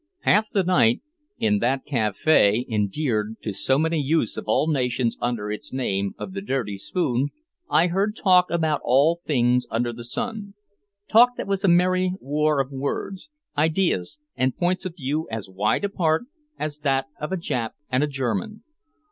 Half the night, in that café endeared to so many youths of all nations under its name of "The Dirty Spoon," I heard talk about all things under the sun, talk that was a merry war of words, ideas and points of view as wide apart as that of a Jap and a German.